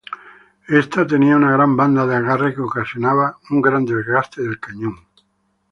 Esta tenía una gran banda de agarre, que ocasionaba un gran desgaste del cañón.